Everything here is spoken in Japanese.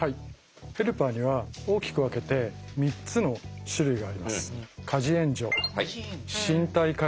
ヘルパーには大きく分けて３つの種類があります。